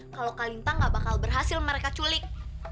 kalau kalintang gak bakal berhasil mereka culik